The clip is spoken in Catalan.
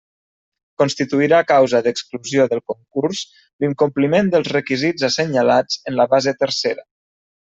Constituirà causa d'exclusió del concurs l'incompliment dels requisits assenyalats en la base tercera.